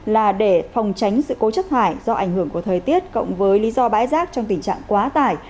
là để phòng tránh sự cố chất thải do ảnh hưởng của thời tiết cộng với lý do bãi rác trong tình trạng quá tải